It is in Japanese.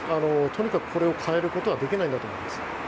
とにかくこれを変えることができないんだと思います。